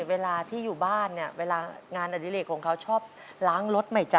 เวลาที่อยู่บ้านเนี่ยเวลางานอดิเลกของเขาชอบล้างรถใหม่จ้